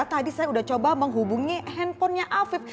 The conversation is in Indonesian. tadi saya sudah coba menghubungi handphonenya afif